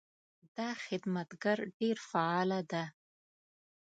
دا خدمتګر ډېر فعاله ده.